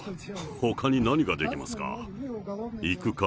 ほかに何ができますか？